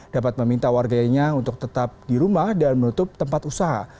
dapat meminta warganya untuk tetap di rumah dan menutup tempat usaha